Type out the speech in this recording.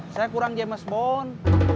saya kurang jemes mon